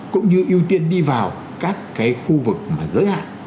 cũng như ưu tiên đi vào các cái khu vực mà giới hạn